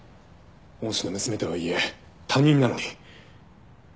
恩師の娘とはいえ他人なのに。